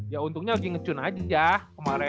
ya untungnya lagi ngecun aja ya kemaren